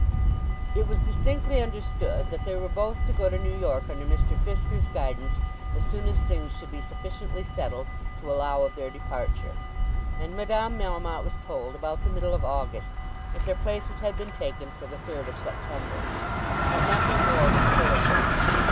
It was distinctly understood that they were both to go to New York under Mr. Fisker's guidance as soon as things should be sufficiently settled to allow of their departure; and Madame Melmotte was told, about the middle of August, that their places had been taken for the 3rd of September. But nothing more was told her.